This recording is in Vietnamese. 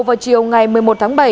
vào chiều ngày một mươi một tháng bảy